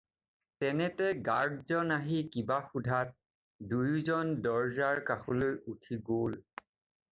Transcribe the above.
তেনেতে গাৰ্ডজন আহি কিবা সোধাত দুয়োজন দৰজাৰ কাষলৈ উঠি গ'ল।